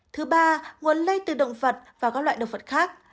thứ ba nguồn lây từ động vật và các loại động vật khác